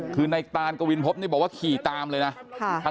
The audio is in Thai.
คือในตานกวินพบนี่บอกว่าขี่ตามเลยนะ